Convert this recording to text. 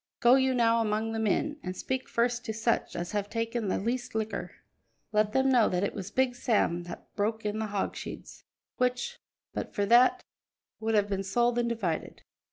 "Go you now among the men, and speak first to such as have taken the least liquor; let them know that it was Big Sam that broke in the hogsheads, which, but for that, would have been sold and divided.